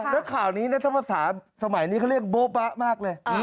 และข่าวนี้เนื้อธรรมศาสตร์สมัยนี้เค้าเรียกโบ๊ะมากเลย